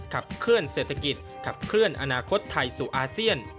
ขับเคลื่อนเศรษฐกิจขับเคลื่อนอนาคตไทยสู่อาเซียน